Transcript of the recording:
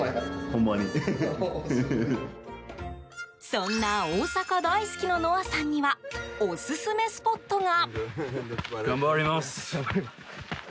そんな大阪大好きのノアさんにはオススメスポットが。